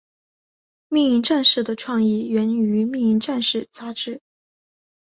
命运战士的创意源于命运战士杂志。